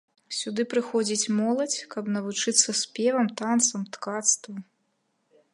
Сюды прыходзіць моладзь, каб навучацца спевам, танцам, ткацтву.